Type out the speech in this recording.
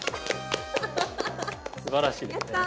すばらしいですね。